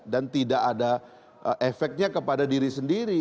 dan tidak ada efeknya kepada diri sendiri